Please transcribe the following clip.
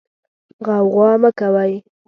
غوغا مه کوئ.